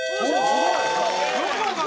すごい！